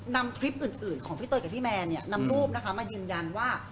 นำคลิปอื่นของพี่เตยกับพี่แมนเนี่ยนำรูปนะคะมายืนยันว่า